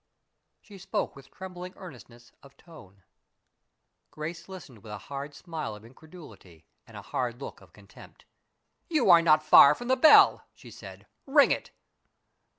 She spoke with trembling earnestness of tone. Grace listened with a hard smile of incredulity and a hard look of contempt. "You are not far from the bell," she said; "ring it."